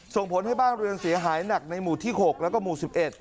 ส่งผลให้บ้านเรือนเสียหายหนักในหมู่ที่๖แล้วก็หมู่๑๑